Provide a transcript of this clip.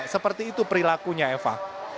seperti itu perilakunya eva